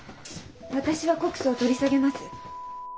「私は告訴を取り下げます」。